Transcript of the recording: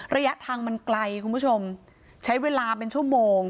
ระยะทางมันไกลคุณผู้ชมใช้เวลาเป็นชั่วโมง